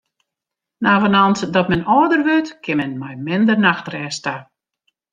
Navenant dat men âlder wurdt, kin men mei minder nachtrêst ta.